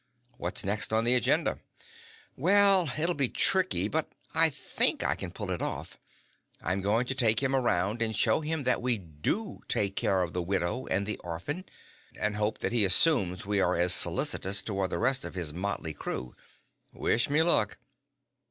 "What's next on the agenda?" "Well, it'll be tricky, but I think I can pull it off. I'm going to take him around and show him that we do take care of the widow and the orphan, and hope that he assumes we are as solicitous toward the rest of his motley crew. Wish me luck."